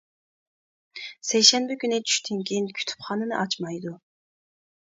سەيشەنبە كۈنى چۈشتىن كېيىن كۇتۇپخانىنى ئاچمايدۇ.